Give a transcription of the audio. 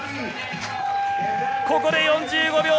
ここで４５秒！